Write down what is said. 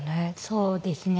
そうですね。